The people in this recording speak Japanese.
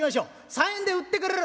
「３円で売ってくれる？